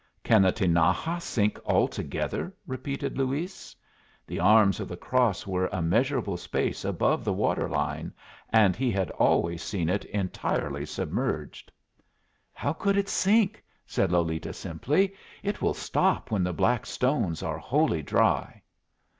"Can the Tinaja sink altogether?" repeated Luis. The arms of the cross were a measurable space above the water line, and he had always seen it entirely submerged. "How could it sink?" said Lolita, simply. "It will stop when the black stones are wholly dry."